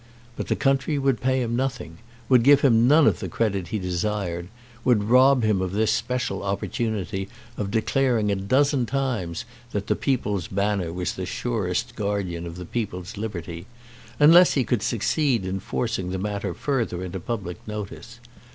But the country would pay him nothing, would give him none of the credit he desired, would rob him of this special opportunity of declaring a dozen times that the "People's Banner" was the surest guardian of the people's liberty, unless he could succeed in forcing the matter further into public notice.